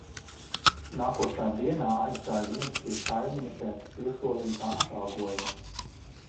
Nākošā dienā aizgāju viens pie kaimiņa pēc piesolītā atalgojuma.